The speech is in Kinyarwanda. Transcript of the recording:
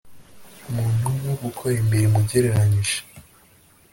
muntumu gukora imirimo ugereranyije